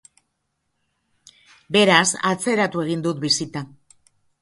Beraz, atzeratu egin dut bisita.